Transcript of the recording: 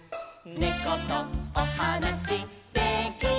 「ねことおはなしできる」